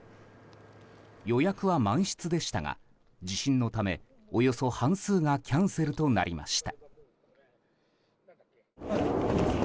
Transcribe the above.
予約は満室でしたが地震のためおよそ半数がキャンセルとなりました。